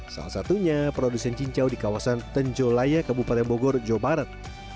salah satunya produsen cincau di kawasan tenjolaya kabupaten bogor jawa barat